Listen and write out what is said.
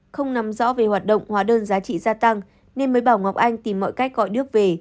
không nắm rõ về hoạt động hóa đơn giá trị gia tăng nên mới bảo ngọc anh tìm mọi cách gọi nước về